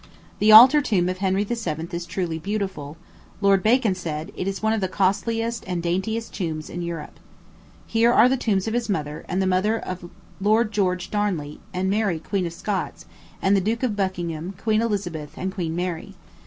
The altar tomb of Henry VII. is truly beautiful; Lord Bacon said, "It is one of the costliest and daintiest tombs in Europe." Here are tombs of his mother, and the mother of Lord George Darnley, and Mary, Queen of Scots, and the Duke of Buckingham, Queen Elizabeth, and Queen Mary.